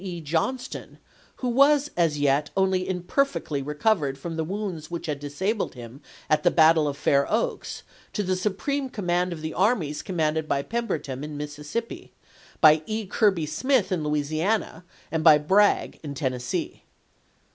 E. Johnston, who was as yet only imperfectly re covered from the wounds which had disabled him at the battle of Fair Oaks, to the supreme command of the armies commanded by Pemberton in Missis sippi, by E. Kirby Smith in Louisiana, and by Bragg in Tennessee.